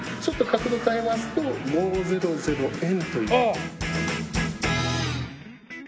ちょっと角度変えますと「５００ＹＥＮ」という。